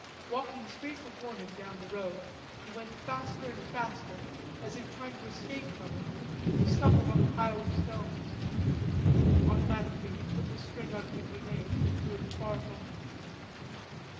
Walking straight before him down the road, he went faster and faster as if trying to escape from it. He stumbled on a pile of stones. Automatically he pulled the string out of the grenade and threw it far from him.